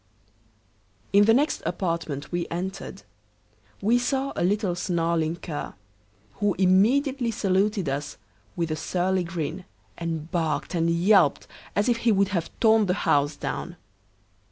_ In the next apartment we entered, we saw a little snarling cur, who immediately saluted us with a surly grin, and barked and yelped as if he would have torn the house down.